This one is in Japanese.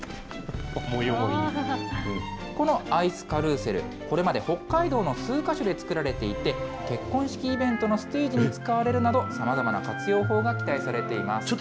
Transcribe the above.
このアイスカルーセル、これまで北海道の数か所で作られていて、結婚式イベントのステージに使われるなど、さまざまな活用法が期待されています。